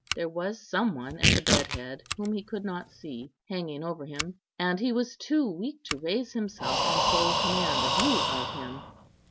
There was some one at the bed head whom he could not see hanging over him, and he was too weak to raise himself and so command a view of him.